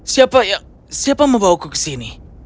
siapa yang siapa membawaku kesini